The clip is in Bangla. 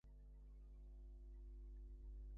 তোমার সব কিছুই আমার ভালো লাগে।